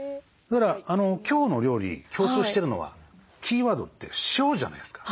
今日の料理共通してるのはキーワードって「塩」じゃないですか。